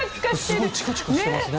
すごいチカチカしてますね。